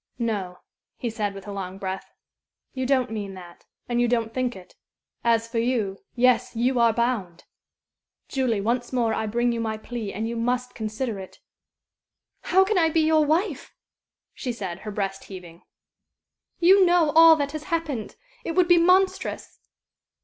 "No," he said, with a long breath, "you don't mean that, and you don't think it. As for you yes, you are bound! Julie, once more I bring you my plea, and you must consider it." "How can I be your wife?" she said, her breast heaving. "You know all that has happened. It would be monstrous."